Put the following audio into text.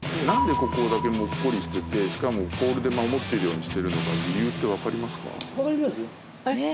なんでここだけもっこりしててしかもポールで守ってるようにしてるのか理由ってわかりますか？